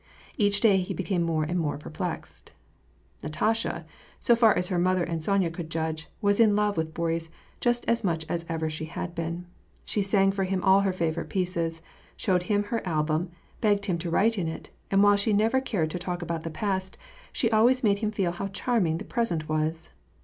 Each day he became more and more perplexed. Natasha, so far as her mother and Sonya could judge, was in love with Boris just as much as ever she had been. She sang for him all her favorite pieces, showed him her album, begging him to write in it, and while she never cared to talk about the past, she always made him feel how charming the pres ent was.